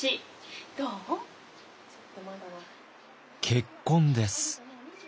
結婚です。